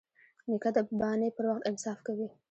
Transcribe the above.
نیکه د بانې پر وخت انصاف کوي.